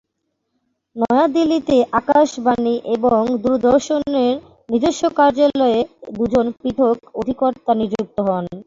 নয়াদিল্লিতে আকাশবাণী এবং দূরদর্শনের নিজস্ব কার্যালয়ে দু'জন পৃথক্ অধিকর্তা নিযুক্ত হন।